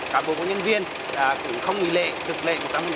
cả bộ công nhân viên cũng không bị lệ thực lệ một trăm linh